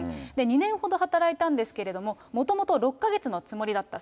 ２年ほど働いたんですけれども、もともと、６か月のつもりだった。